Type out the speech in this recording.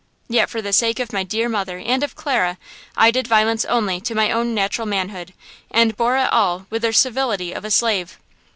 Yet, for the sake of my dear mother and of Clara, I did violence only to my own natural manhood, and bore it all with the servility of a slave."